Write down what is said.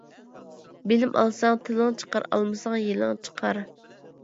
بىلىم ئالساڭ تىلىڭ چىقار، ئالمىساڭ يېلىڭ چىقار.